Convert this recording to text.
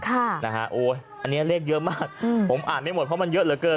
อันนี้เลขเยอะมากผมอ่านไม่หมดเพราะมันเยอะเหลือเกิน